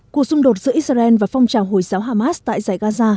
cuộc xung đột giữa israel và phong trào hồi giáo hamas tại giải gaza